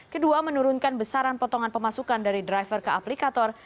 kedua menurunkan besaran potongan pemasukan dari driver ke aplikator